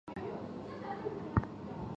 揭示了每个国家拥有相对优势的原因。